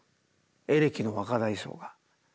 「エレキの若大将」が。